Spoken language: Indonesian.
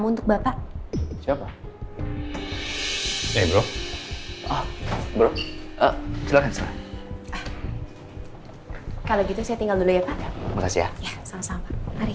untuk bapak siapa bro bro kalau gitu saya tinggal dulu ya pak ya sama sama